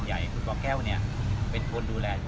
ไม่ใช่นี่คือบ้านของคนที่เคยดื่มอยู่หรือเปล่า